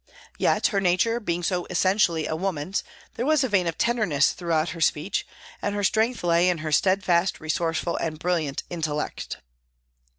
Yet, her nature being so essentially a woman's, there was a vein of tenderness throughout her speech, and her strength lay in her steadfast, resourceful and brilliant intellect.